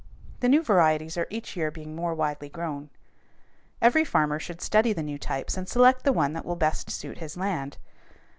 The new varieties are each year being more widely grown. Every farmer should study the new types and select the one that will best suit his land.